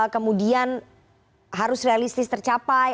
kemudian harus realistis tercapai